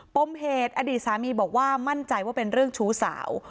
ปมเหตุอดีตสามีบอกว่ามั่นใจว่าเป็นเรื่องชู้สาว